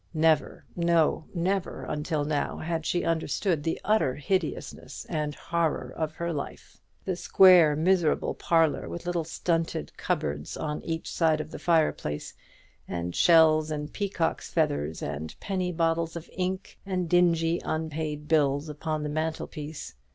Never, no, never until now had she understood the utter hideousness and horror of her life. The square miserable parlour, with little stunted cupboards on each side of the fireplace, and shells and peacocks' feathers, and penny bottles of ink, and dingy unpaid bills, upon the mantel piece.